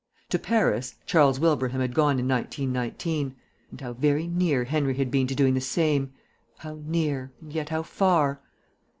To Paris Charles Wilbraham had gone in 1919 (and how near Henry had been to doing the same; how near, and yet how far!).